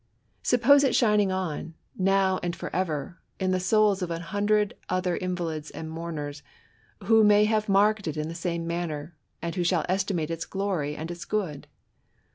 Suppose it shining on, now and for ever, in the souls of a hundred other invalids or mourners, who. may have marked it in the same manner, and who shiall estimate its glory and its good